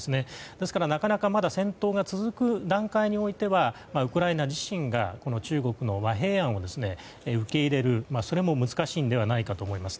ですから、なかなか戦闘が続く段階においてはウクライナ自身が中国の和平案を受け入れることも難しいと思います。